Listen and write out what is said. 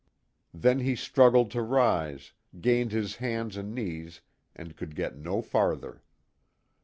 Then he struggled to rise, gained his hands and knees and could get no farther.